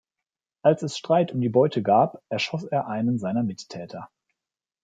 Als es Streit um die Beute gab, erschoss er einen seiner Mittäter.